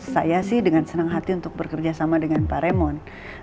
saya sih dengan senang hati untuk bekerja sama dengan pak remon